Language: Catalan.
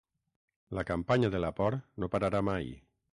La campanya de la por no pararà mai